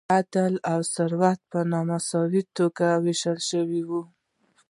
عاید او ثروت په نا مساوي توګه ویشل شوی.